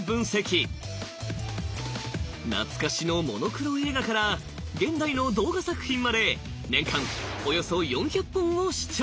懐かしのモノクロ映画から現代の動画作品まで年間およそ４００本を視聴している。